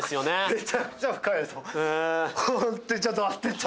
めちゃくちゃ深いです。